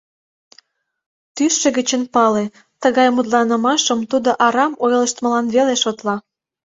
Тӱсшӧ гычын пале: тыгай мутланымашым тудо арам ойлыштмылан веле шотла.